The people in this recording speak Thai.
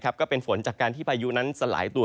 ก็เป็นฝนจากการที่พายุนั้นสลายตัว